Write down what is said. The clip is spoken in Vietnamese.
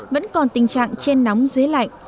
vẫn còn tình trạng chen nóng dế lạnh